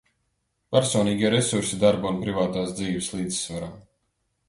Personīgie resursi darba un privātās dzīves līdzsvaram.